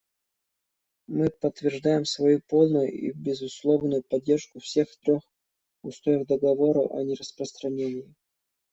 Мы подтверждаем свою полную и безусловную поддержку всех трех устоев Договора о нераспространении.